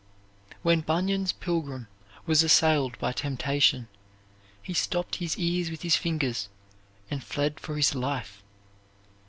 When Bunyan's pilgrim was assailed by temptation he stopped his ears with his fingers and fled for his life.